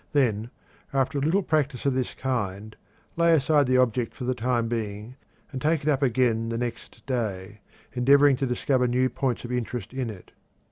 Then, after a little practice of this kind, lay aside the object for the time being, and take it up again the next day, endeavoring to discover new points of interest in it.